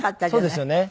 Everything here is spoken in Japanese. そうですよね。